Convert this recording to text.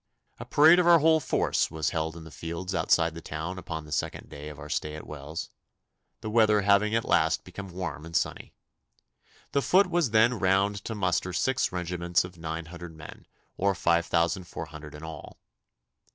A parade of our whole force was held in the fields outside the town upon the second day of our stay at Wells, the weather having at last become warm and sunny. The foot was then found to muster six regiments of nine hundred men, or five thousand four hundred in all.